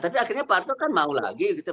tapi akhirnya pak harto kan mau lagi gitu